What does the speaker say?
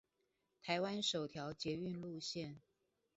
台灣首條捷運路線